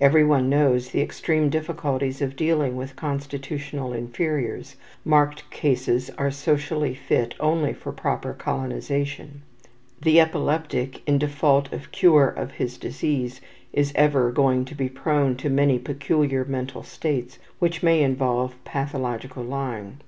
Everyone knows the extreme difficulties of dealing with constitutional inferiors; marked cases are socially fit only for proper colonization. The epileptic, in default of cure of his disease, is ever going to be prone to many peculiar mental states which may involve pathological lying.